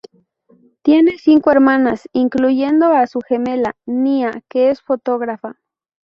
Tiene cinco hermanas, incluyendo a su gemela, Nia, que es fotógrafa.